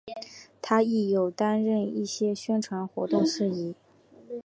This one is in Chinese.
她亦有担任一些宣传活动司仪。